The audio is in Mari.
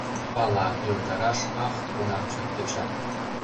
Пала: йомдараш, ах, кунар чот тӧчат